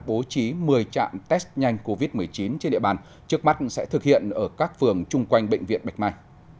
bố trí một mươi trạm test nhanh covid một mươi chín trên địa bàn trước mắt sẽ thực hiện ở các phường chung quanh bệnh viện bạch mai